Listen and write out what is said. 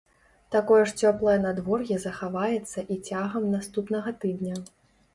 Такое ж цёплае надвор'е захаваецца і цягам наступнага тыдня.